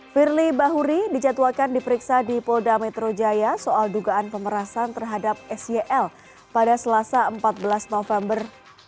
firly bahuri dijadwalkan diperiksa di polda metro jaya soal dugaan pemerasan terhadap syl pada selasa empat belas november dua ribu dua puluh